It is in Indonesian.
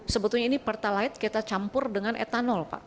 sebetulnya ini pertalite kita campur dengan etanol pak